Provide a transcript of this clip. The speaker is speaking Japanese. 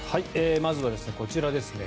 まずはこちらですね。